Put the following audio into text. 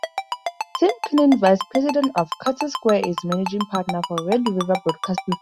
Tim Kunin, Vice President of Curtis Squire, is managing partner for Red River Broadcasting.